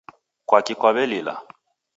Kwaki kwawelila